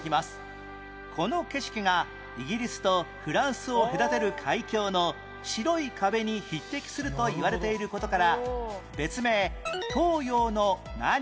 この景色がイギリスとフランスを隔てる海峡の「白い壁」に匹敵するといわれている事から別名東洋の何と呼ばれる？